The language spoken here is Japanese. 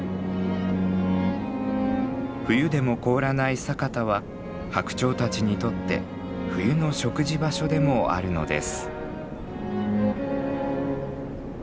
冬でも凍らない佐潟はハクチョウたちにとって冬の食事場所でもあるのです。